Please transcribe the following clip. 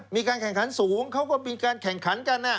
มีการแข่งขันสูงเขาก็มีการแข่งขันกัน